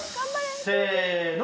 せの！